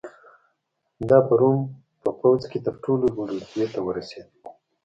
دا په روم په پوځ کې تر ټولو لوړې رتبې ته ورسېد